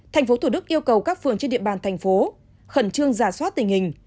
tp thủ đức yêu cầu các phường trên địa bàn thành phố khẩn trương giả soát tình hình